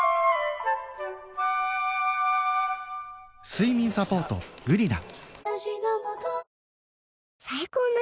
睡眠サポート「グリナ」